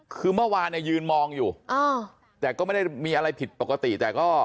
คือเมื่อวานเนี่ยยืนมองอยู่แต่ก็ไม่ได้มีอะไรผิดปกติแต่ก็